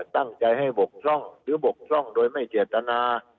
ตั้งใจให้บกช่องหรือบกช่องโดยไม่เจตนา